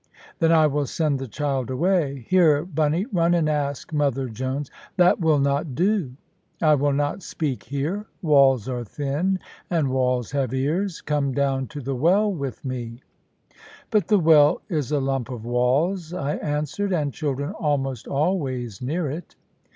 "Then I will send the child away. Here, Bunny, run and ask mother Jones " "That will not do; I will not speak here. Walls are thin, and walls have ears. Come down to the well with me." "But the well is a lump of walls," I answered, "and children almost always near it."